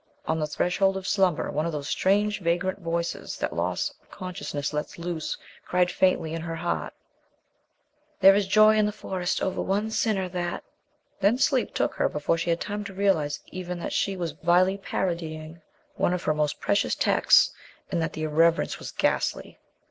On the threshold of slumber one of those strange vagrant voices that loss of consciousness lets loose cried faintly in her heart "There is joy in the Forest over one sinner that " Then sleep took her before she had time to realize even that she was vilely parodying one of her most precious texts, and that the irreverence was ghastly.